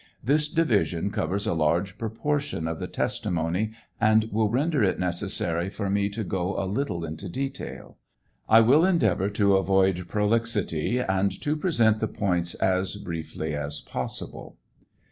This divisior covers a large proportion of the testimony, and will render it necessary for m( to go a little into detail. 1 will endeavor to avoid prolixity and to present the points as brieily as possible.